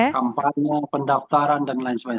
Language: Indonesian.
kampanye pendaftaran dan lain sebagainya